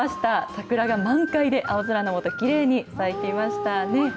桜が満開で、青空の下、きれいに咲いていましたね。